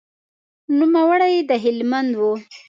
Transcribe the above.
نوموړی د هلمند و.